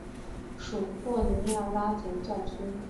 属霍尼亚拉总教区。